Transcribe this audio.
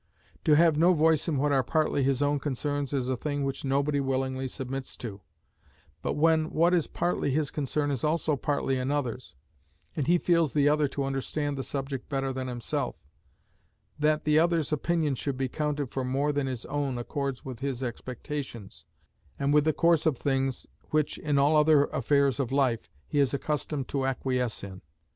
To have no voice in what are partly his own concerns is a thing which nobody willingly submits to; but when what is partly his concern is also partly another's, and he feels the other to understand the subject better than himself, that the other's opinion should be counted for more than his own accords with his expectations, and with the course of things which in all other affairs of life he is accustomed to acquiese in.